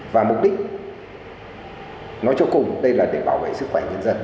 và mục đích nói cho cùng đây là để bảo vệ sức khỏe nhân dân